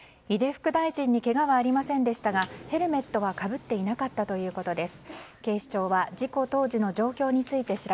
副大臣にけがはありませんでしたがヘルメットはかぶっていなかったということです。